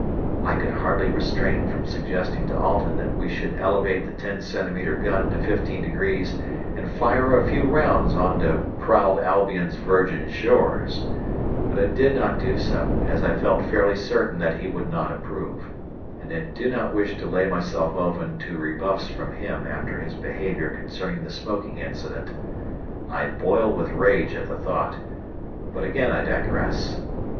I could hardly restrain from suggesting to Alten that we should elevate the 10 cm. gun to fifteen degrees and fire a few rounds on to "proud Albion's virgin shores," but I did not do so as I felt fairly certain that he would not approve, and I do not wish to lay myself open to rebuffs from him after his behaviour concerning the smoking incident. I boil with rage at the thought, but again I digress.